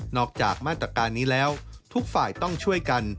จากมาตรการนี้แล้วทุกฝ่ายต้องช่วยกัน